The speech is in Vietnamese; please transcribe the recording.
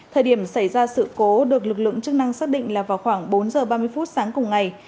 thời điểm xảy ra sự cố được lực lượng chức năng xác định là vào khoảng bốn giờ ba mươi phút sáng cùng ngày